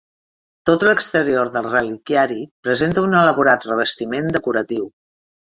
Tot l'exterior del reliquiari presenta un elaborat revestiment decoratiu.